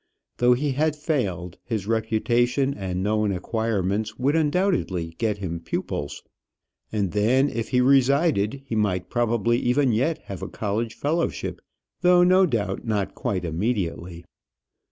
Though he had failed, his reputation and known acquirements would undoubtedly get him pupils; and then, if he resided, he might probably even yet have a college fellowship, though, no doubt, not quite immediately.